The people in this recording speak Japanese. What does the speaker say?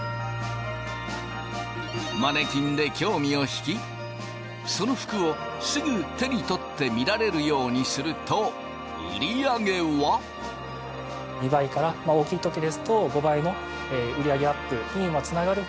マネキンで興味をひきその服をすぐ手に取って見られるようにすると売り上げは。というわけだ！